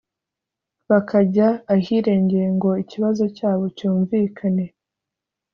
bakajya ahirengeye ngo ikibazo cyabo cyumvikane